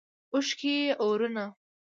اوښکې اورونه